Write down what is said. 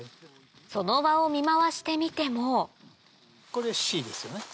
その場を見回してみてもこれシイですよね。